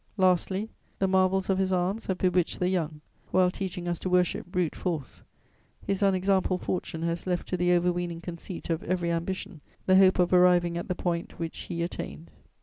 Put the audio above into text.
Lastly, the marvels of his arms have bewitched the young, while teaching us to worship brute force. His unexampled fortune has left to the overweening conceit of every ambition the hope of arriving at the point which he attained.